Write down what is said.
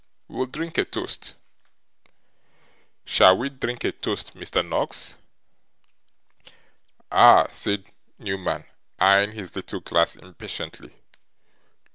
We'll drink a toast. Shall we drink a toast, Mr. Noggs?' 'Ah!' said Newman, eyeing his little glass impatiently.